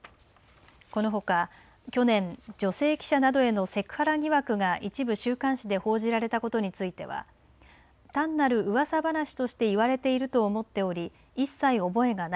このほか、去年女性記者などへのセクハラ疑惑が一部週刊誌で報じられたことについては単なる噂話として言われていると思っており一切覚えがな。